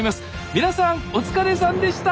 皆さんお疲れさんでした！